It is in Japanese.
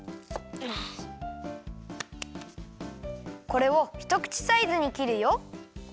これをひとくちサイズにきるよ。